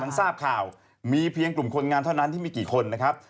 ทราบข่าวมีเพียงกลุ่มคนงานเท่านั้นที่มีกี่คนนะครับ